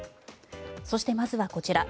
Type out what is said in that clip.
そして、まずはこちら。